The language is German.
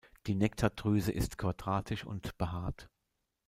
Die Nektardrüse ist quadratisch und behaart.